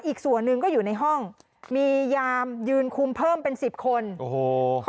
อีกส่วนหนึ่งก็อยู่ในห้องมียามยืนคุมเพิ่มเป็นสิบคนโอ้โห